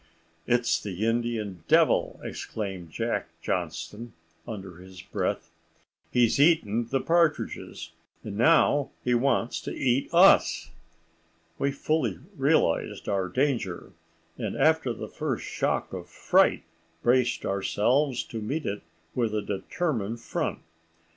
"It's the Indian devil!" exclaimed Jack Johnston, under his breath. "He's eaten the partridges, and now he wants to eat us." We fully realized our danger, and after the first shock of fright braced ourselves to meet it with a determined front.